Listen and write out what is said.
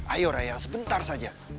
ayo raya sebentar saja